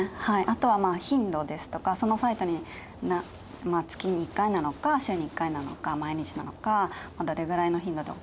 あとはまあ頻度ですとかそのサイトに月に１回なのか週に１回なのか毎日なのか